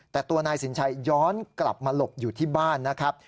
แต่ตัวนายสินชัยย้อนกลับมาหลบอยู่ที่บ้านนะครับ